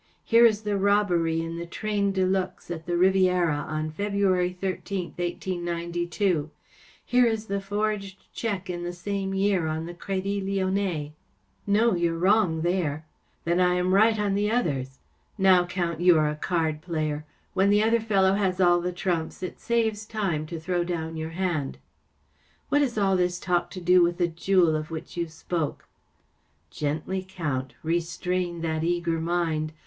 Here is the robbery in the train de luxe to the Riviera on February 13th, 1892. Here is the forged cheque in the same year on the £r£dit Lyonnais.‚ÄĚ 44 No; you’re wrong there.‚ÄĚ 44 Then I am right on the others ! Now, Count, you are a card player. When the other fellow has all the trumps, it saves time to throw down your hand.‚ÄĚ 44 What has all this talk to do with the jewel of which you spoke ? ‚ÄĚ 44 Gently, Count. Restrain that eager mind